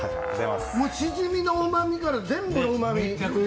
もうしじみのうまみから全部のうまみ。